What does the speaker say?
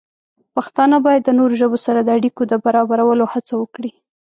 پښتانه باید د نورو ژبو سره د اړیکو د برابرولو هڅه وکړي.